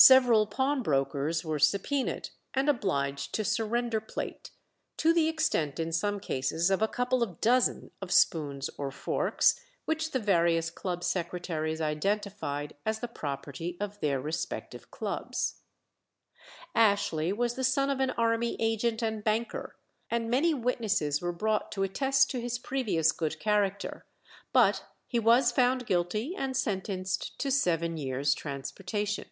Several pawnbrokers were subpoenaed and obliged to surrender plate, to the extent in some cases of a couple of dozen of spoons or forks, which the various club secretaries identified as the property of their respective clubs. Ashley was the son of an army agent and banker, and many witnesses were brought to attest to his previous good character, but he was found guilty and sentenced to seven years' transportation.